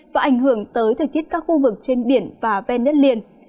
và ảnh hưởng tới thời tiết các khu vực trên biển và ven đất liền